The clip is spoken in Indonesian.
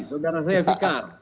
saudara saya fikar